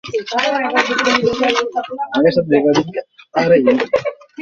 কিন্তু আমি একটা সমস্যায় আছি।